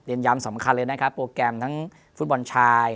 ย้ำสำคัญเลยนะครับโปรแกรมทั้งฟุตบอลชาย